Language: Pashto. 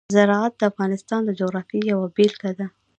زراعت د افغانستان د جغرافیې یوه بېلګه ده.